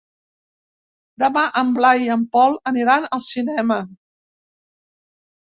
Demà en Blai i en Pol aniran al cinema.